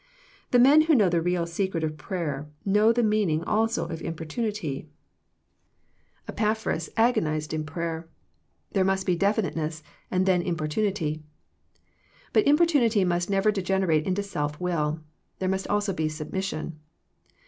The men who know the real secret of prayer know| the meaning also of importunity. THE PEACTICE OF PEAYER 121 Epaphras agonized in prayer. There must be defi niteness, and then importunity. But importunity must never degenerate into self will. There must also be submission.